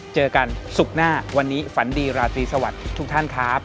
เจอกันศุกร์หน้าวันนี้ฝันดีราตรีสวัสดีทุกท่านครับ